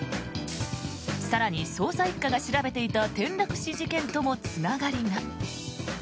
更に、捜査１課が調べていた転落死事件ともつながりが。